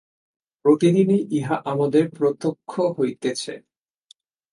প্রতিদিনই ইহা আমাদের প্রত্যক্ষ হইতেছে।